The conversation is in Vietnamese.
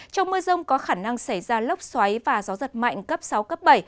trong mưa rông có khả năng xảy ra lốc xoáy và gió giật mạnh cấp sáu cấp bảy